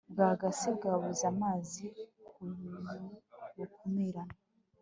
bw'agasi bwabuze amazi bukumirana